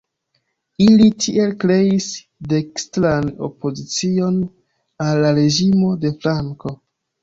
Ili tiel kreis "dekstran opozicion" al la reĝimo de Franko.